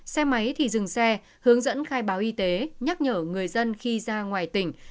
xe máy thì dừng xe hướng dẫn khai báo y tế nhắc nhở người dân khi ra ngoài tỉnh